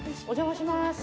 お邪魔します。